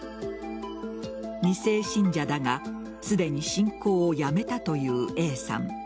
２世信者だがすでに信仰をやめたというＡさん。